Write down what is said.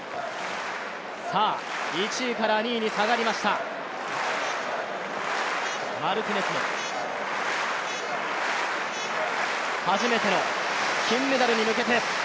１位から２位に下がりました、マルティネス、初めての金メダルに向けて。